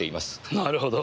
なるほど。